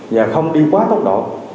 và không đi quá tốc độ